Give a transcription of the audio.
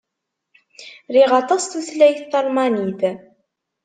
Riɣ aṭas tutlayt Talmanit.